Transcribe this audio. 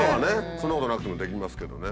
そんなことなくてもできますけどね。